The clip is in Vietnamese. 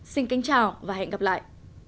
xin kính chào và hẹn gặp lại